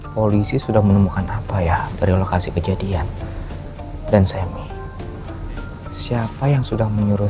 polisi sudah menemukan apa ya dari lokasi kejadian dan semi siapa yang sudah menyuruh